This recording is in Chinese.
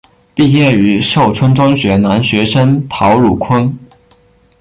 毕业于寿春中学男学生陶汝坤。